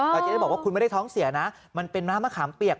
เราจะได้บอกว่าคุณไม่ได้ท้องเสียนะมันเป็นน้ำมะขามเปียก